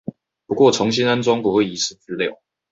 不過重新安裝不會遺失資料